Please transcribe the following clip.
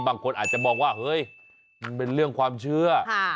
บางคนอาจจะมองว่าเฮ้ยมันเป็นเรื่องความเชื่อ